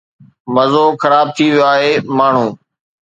مزو خراب ٿي ويو آهي، ماڻهو